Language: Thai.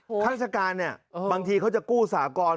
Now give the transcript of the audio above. พันธุ์ภาษาการเนี่ยบางทีเขาก็จะกู้สากร